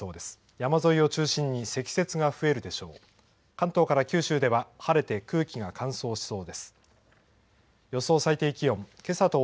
山沿いを中心に、積雪が増えるでしょう。